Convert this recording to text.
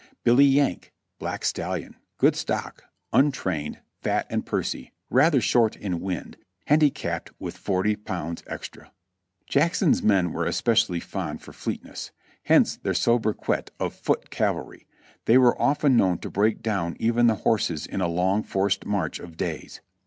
Billy Yank, black stallion ; good stock ; untrained ; fat and pursy ; rather short in wind ; handicapped with forty pounds extra. Jackson's men were especially noted for fleetness, hence their sobriquet of "Foot Cavalry;" they were often known to break down even the horses in a long forced march of days.